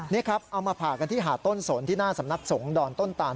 นี่ครับเอามาผ่ากันที่หาดต้นสนที่หน้าสำนักสงฆ์ดอนต้นตาน